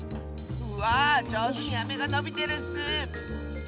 わあじょうずにアメがのびてるッス！